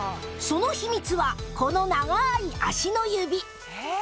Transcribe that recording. その秘密はこの長い足の指。